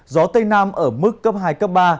gió tây nam ở mức cấp hai cấp ba